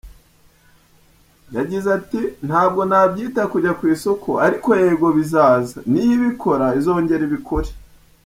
Yagize ati "Ntabwo nabyita kujya ku isoko ariko yego bizaza, niyo ibikora izongera ibikore.